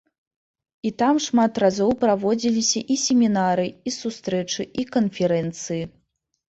І там шмат разоў праводзіліся і семінары, і сустрэчы, і канферэнцыі.